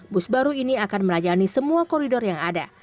bus baru ini akan melayani semua koridor yang ada